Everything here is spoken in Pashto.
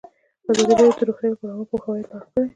ازادي راډیو د روغتیا لپاره عامه پوهاوي لوړ کړی.